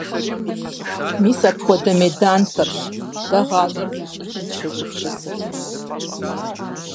Мис апхуэдэ меданхэрщ дэ гъащӀэр зищӀысым дыщегупсысыр.